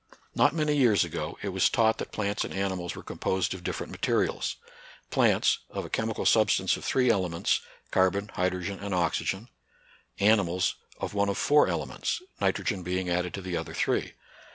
Not many years ago it was taught that plants and animals were composed of different mate rials : plants, of a chemical substance of three elements, — carbon, hydrogen, and oxygen ; ani mals of one of four elements, nitrogen being added to the other three.